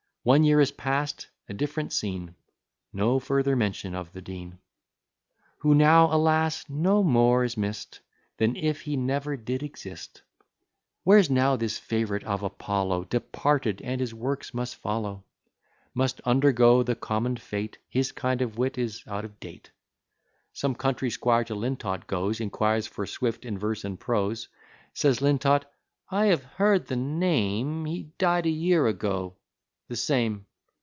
One year is past; a different scene! No further mention of the Dean; Who now, alas! no more is miss'd, Than if he never did exist. Where's now this fav'rite of Apollo! Departed: and his works must follow; Must undergo the common fate; His kind of wit is out of date. Some country squire to Lintot goes, Inquires for "Swift in Verse and Prose." Says Lintot, "I have heard the name; He died a year ago." "The same."